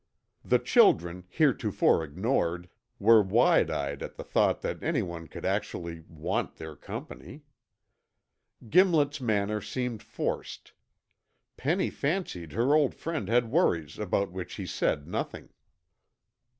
The children, heretofore ignored, were wide eyed at the thought that anyone could actually want their company. Gimlet's manner seemed forced. Penny fancied her old friend had worries about which he said nothing.